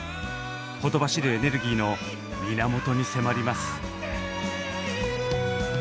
ほとばしるエネルギーの源に迫ります。